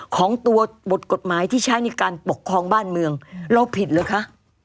ของตัวบทกฎหมายที่ใช้ในการปกครองบ้านเมืองเราผิดเหรอคะ